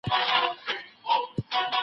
موږ له کړکۍ څخه بهر ته ګورو.